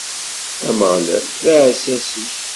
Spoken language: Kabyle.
Ameɣlal, d aɛessas-ik.